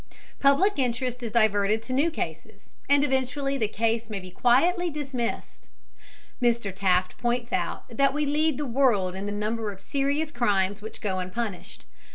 Public interest is diverted to new cases, and eventually the case may be quietly dismissed. Mr. Taft points out that we lead the world in the number of serious crimes which go unpunished.